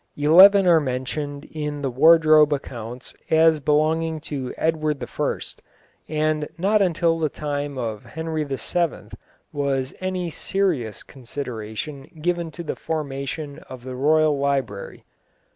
Eleven are mentioned in the wardrobe accounts as belonging to Edward I., and not until the time of Henry VII. was any serious consideration given to the formation of the Royal Library.